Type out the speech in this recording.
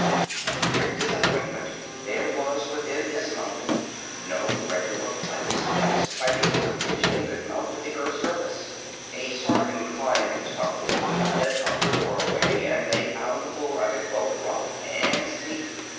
To their disappointment there was within this mountain no regular flight of steps by means of which they could mount to the earth's surface. A sort of inclined tunnel led upward for a way, and they found the floor of it both rough and steep.